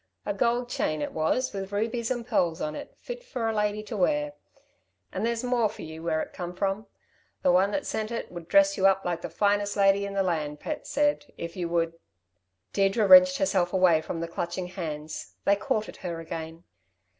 A gold chain it was, with rubies and pearls on it fit for a lady to wear! And there's more for you, where it come from. The one that sent it would dress you up like the finest lady in the land, Pat said, if you would " Deirdre wrenched herself away from the clutching hands. They caught at her again.